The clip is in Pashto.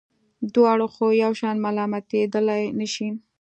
دواړه خو یو شان ملامتېدلای نه شي.